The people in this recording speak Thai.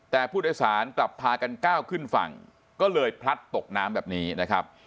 แต่ผู้โดยสารกลับพากันก้าวขึ้นฝั่งก็เลยพลัดตกน้ำแบบนี้นะครับ